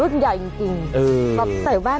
อื้อหือรุ่นใหญ่จริง